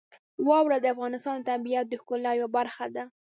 واوره د افغانستان د طبیعت د ښکلا یوه برخه ده.